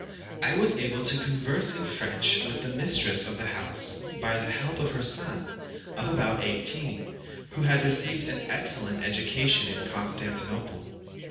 I was able to converse in French with the mistress of the house, by the help of her son, of about eighteen, who had received an excellent education in Constantinople.